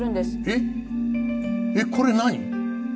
えっこれ何？